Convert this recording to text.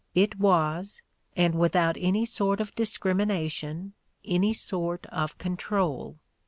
It was, and without any sort of discrimination, any sort of control.